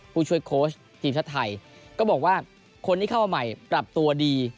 ผู้ช่วยโค้ชทีมชาติไทยก็บอกว่าคนที่เข้ามาใหม่ปรับตัวดี